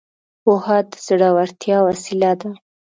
پوهه د زړورتيا وسيله ده.